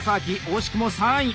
惜しくも３位！